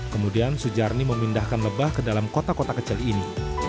kemudian sujarni memindahkan lebah ke dalam kota kota kecil ini